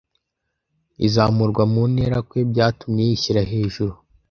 izamurwa mu ntera kwe byatumye yishyira hejuru